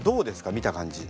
見た感じ。